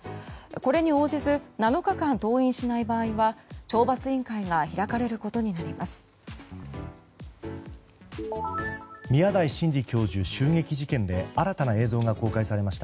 これに応じず７日間登院しない場合は懲罰委員会が開かれることになります。